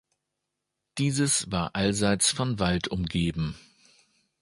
Dieses war allseits von Wald umgeben.